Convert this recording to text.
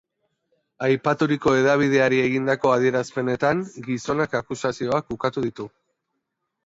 Aipaturiko hedabideari egindako adierazpenetan, gizonak akusazioak ukatu ditu.